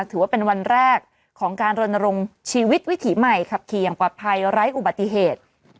ถือว่าเป็นวันแรกของการรณรงค์ชีวิตวิถีใหม่ขับขี่อย่างปลอดภัยไร้อุบัติเหตุ